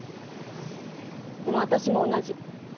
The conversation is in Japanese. でも私も同じ。